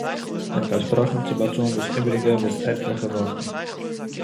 און פארשפּראכן צו באצאלן דאס איבעריגע ביז עטליכע וואכן